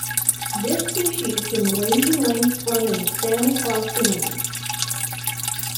This species can range in length from and span across the wings.